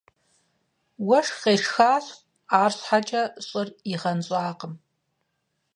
Уэшх къешхащ, арщхьэкӏэ щӏыр игъэнщӏакъым.